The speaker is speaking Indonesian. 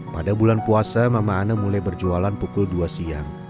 pada bulan puasa mama ana mulai berjualan pukul dua siang